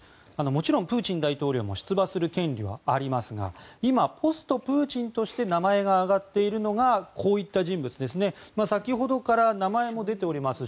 もちろんプーチン大統領も出馬する権利はありますが今、ポストプーチンとして名前が挙がっているのがこういった人物先ほどから名前も出ています